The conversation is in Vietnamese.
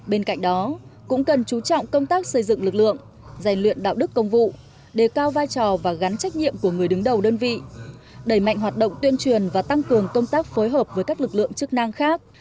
bên cạnh đó cũng cần chú trọng công tác xây dựng lực lượng dạy luyện đạo đức công vụ đề cao vai trò và gắn trách nhiệm của người đứng đầu đơn vị đẩy mạnh hoạt động tuyên truyền và tăng cường công tác phối hợp với các lực lượng chức năng khác